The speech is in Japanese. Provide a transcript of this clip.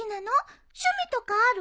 趣味とかある？